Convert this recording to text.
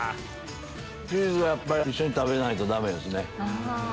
チーズはやっぱり一緒に食べないとダメですね。